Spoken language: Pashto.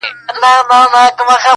راوړم سکروټې تر دې لویي بنگلي پوري,